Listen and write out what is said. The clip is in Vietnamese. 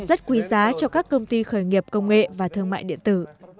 cơ hội rất quý giá cho các công ty khởi nghiệp công nghệ và thương mại điện tử